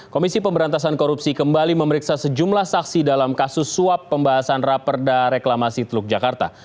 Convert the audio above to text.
komisi pemberantasan korupsi kembali memeriksa sejumlah saksi dalam kasus suap pembahasan raperda reklamasi teluk jakarta